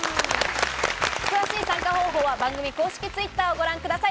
詳しい参加方法は番組公式Ｔｗｉｔｔｅｒをご覧ください。